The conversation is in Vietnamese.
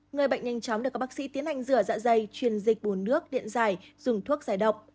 người bệnh nhanh chóng được các bác sĩ tiến hành rửa dạ dày truyền dịch buồn nước điện dài dùng thuốc giải độc